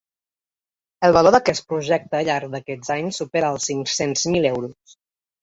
El valor d’aquest projecte a llarg d’aquests anys supera els cinc-cents mil euros.